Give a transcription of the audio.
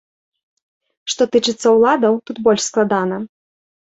Што тычыцца ўладаў, тут больш складана.